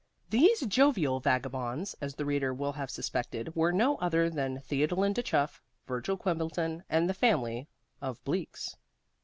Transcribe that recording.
These jovial vagabonds, as the reader will have suspected, were no other than Theodolinda Chuff, Virgil Quimbleton, and the family of Bleaks.